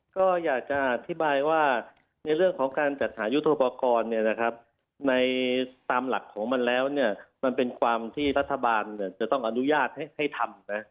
ก็อยากจะอธิบายว่าในเรื่องของการจัดหายุทธโปรกรณ์ในตามหลักของมันแล้วเนี่ยมันเป็นความที่รัฐบาลจะต้องอนุญาตให้ทำนะ